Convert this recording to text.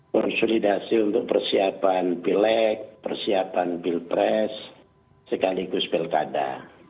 konsolidasi untuk persiapan bilek persiapan pilpres sekaligus belkada